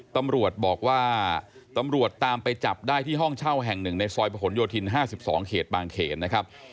ตำรวจบอกว่าตำรวจตามไปจับได้ที่ห้องเช่าแห่งหนึ่งในซอยประหลโยธิน๕๒เขตบางเขนนะครับ